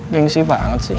gengsi banget sih